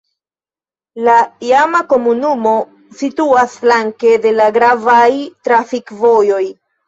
La iama komunumo situas flanke de la gravaj trafikvojoj.